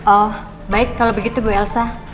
oh baik kalau begitu bu elsa